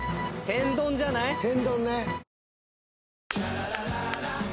天丼じゃない？